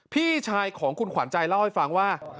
พี่ชายของคุณขวัญใจเล่าให้ฟังว่า